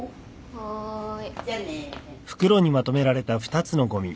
はい。